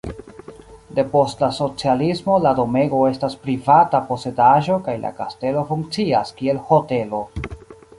Depost la socialismo la domego estas privata posedaĵo kaj la kastelo funkcias kiel hotelo.